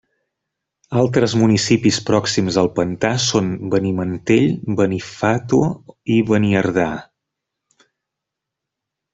Altres municipis pròxims al pantà són Benimantell, Benifato i Beniardà.